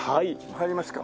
入りますか。